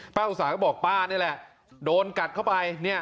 ป้าอุษาก็บอกป้านี่แหละโดนกัดเข้าไปเนี่ย